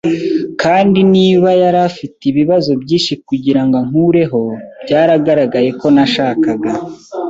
kandi niba yari afite ibibazo byinshi kugirango ankureho, byaragaragaye ko nashakaga